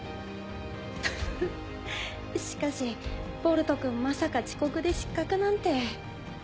フフッしかしボルトくんまさか遅刻で失格なんて。